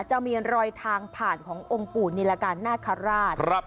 จะมีรอยทางผ่านขององค์ปู่นิรการนาคาราช